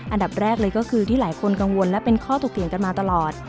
อันดับแรกเลยก็คือที่หลายคนกังวลและเป็นข้อตกเถียงกันมาตลอด